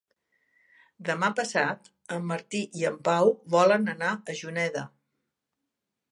Demà passat en Martí i en Pau volen anar a Juneda.